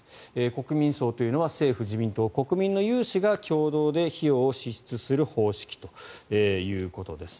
国民葬というのは政府・自民党・国民の有志が共同で費用を支出する方式ということです。